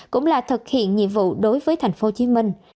cũng là thực hiện nhiệm vụ đối với tp hcm